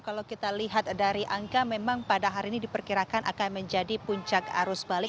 kalau kita lihat dari angka memang pada hari ini diperkirakan akan menjadi puncak arus balik